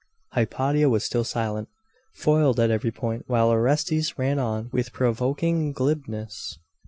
Hypatia was still silent foiled at every point, while Orestes ran on with provoking glibness.